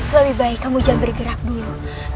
lebih baik kamu jangan bergerak dulu